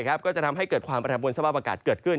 ก็จะทำให้เกิดความประทับบนสภาพอากาศเกิดขึ้น